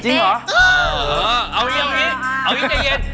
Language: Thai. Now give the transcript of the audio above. เออเอานี่ใจเย็น